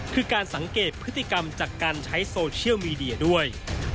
คือการสังเกตพฤติกรรมจากการใช้โซเชียลมีเดียด้วย